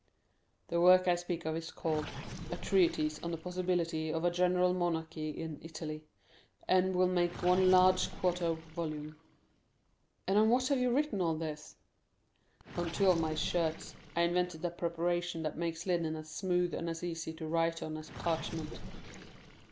The work I speak of is called A Treatise on the Possibility of a General Monarchy in Italy, and will make one large quarto volume." "And on what have you written all this?" "On two of my shirts. I invented a preparation that makes linen as smooth and as easy to write on as parchment."